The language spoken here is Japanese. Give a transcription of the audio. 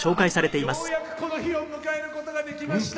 「ようやくこの日を迎える事ができました」